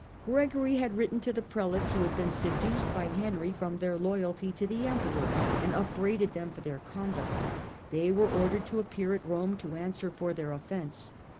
Gregory had written to the Prelates who had been seduced by Henry from their loyalty to the Emperor, and upbraided them for their conduct : they were ordered to appear at Rome to answer for their offence.